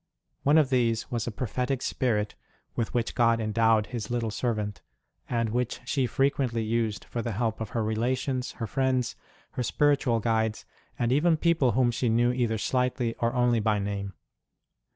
One of these was a prophetic spirit with which God endowed His little servant, and which she frequently used for the help of her relations, her friends, her spiritual guides, and even people whom she knew either slightly or only by name.